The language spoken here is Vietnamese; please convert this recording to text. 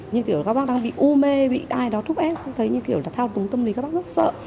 như kiểu các bác đang bị u mê bị ai đó thúc ép không thấy như kiểu là thao túng tâm lý các bác rất sợ